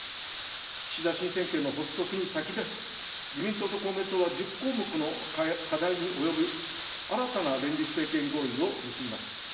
岸田新政権の発足に先立ち、自民党と公明党は１０項目の課題に及ぶ新たな連立政権合意を結びました。